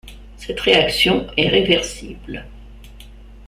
Cette réaction est réversible.